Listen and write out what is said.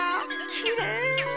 きれい。